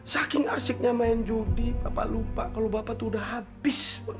saking arsiknya main judi bapak lupa kalau bapak tuh udah habis